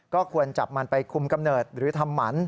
ก็ควรจับมันไปคุมกำเนิดหรือทำหมัน